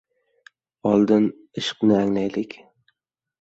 • Oldin ishqni anglaylik…